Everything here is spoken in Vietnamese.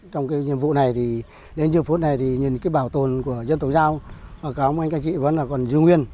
trong cái nhiệm vụ này thì đến giờ phút này thì nhìn cái bảo tồn của dân tộc giao hoặc các ông anh các chị vẫn là còn dư nguyên